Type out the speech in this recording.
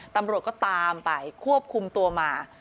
ตำรวจก็ตามไปควบคุมตัวมา